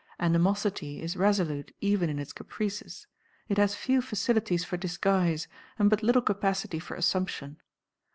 Animosity is resolute even in its caprices; it has few facilities for disguise and but little capacity for assumption.